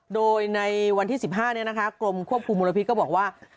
โดยในวันที่๑๕กรมควบคุมมลพิษก็บอกว่า